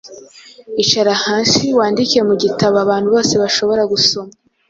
icara hasi wandike Mu gitabo abantu bose bashobora gusoma